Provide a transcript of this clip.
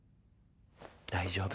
大丈夫。